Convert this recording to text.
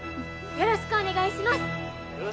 「よろしくお願いします！」。